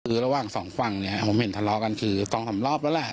คือระหว่างสองฝั่งเนี่ยผมเห็นทะเลาะกันคือสองสามรอบแล้วแหละ